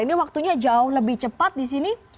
ini waktunya jauh lebih cepat di sini